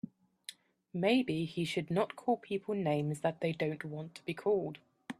Maybe he should not call people names that they don't want to be called.